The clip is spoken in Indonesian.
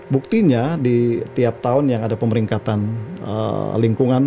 buktinya di tiap tahun yang ada pemeringkatan lingkungan